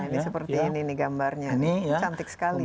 ya ini seperti ini gambarnya cantik sekali ya